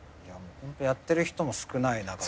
やってる人も少ない中でね。